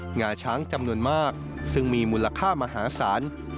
งาช้างจำนวนมากซึ่งมีมูลค่ามหาศาล